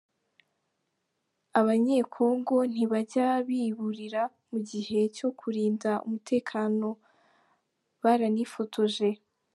Abanye-Kongo ntibajya biburira, mu gihe cyo kurinda umutekano baranifotoje.